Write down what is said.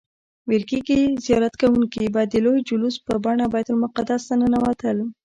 ویل کیږي زیارت کوونکي به د لوی جلوس په بڼه بیت المقدس ته ننوتل.